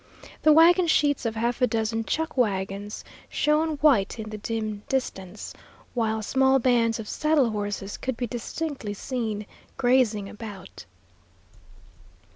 The wagon sheets of half a dozen chuck wagons shone white in the dim distance, while small bands of saddle horses could be distinctly seen grazing about.